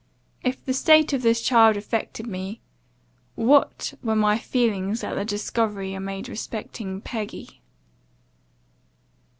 "If the state of this child affected me, what were my feelings at a discovery I made respecting Peggy